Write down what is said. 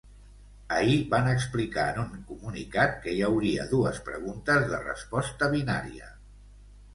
Ahir van explicar en un comunicat que hi hauria dues preguntes de resposta binària.